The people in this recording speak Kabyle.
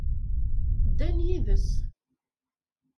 Ddan yid-s.